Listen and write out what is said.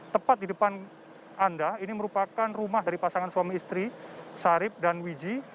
tepat di depan anda ini merupakan rumah dari pasangan suami istri sarip dan wiji